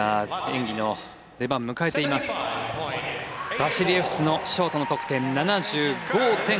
バシリエフスのショートの得点７５．８４。